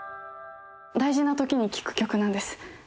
大事な時に聴く曲なんです